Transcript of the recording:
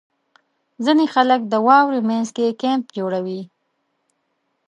• ځینې خلک د واورې مینځ کې کیمپ جوړوي.